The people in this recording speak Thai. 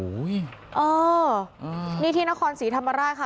เออนี่ที่นครศรีธรรมราชค่ะ